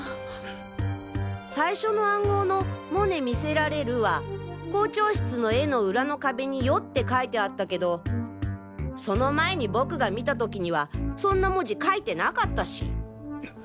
最初の暗号の「モネ見せられる」は校長室の絵の裏の壁に「よ」って書いてあったけどその前に僕が見た時にはそんな文字書いてなかったし。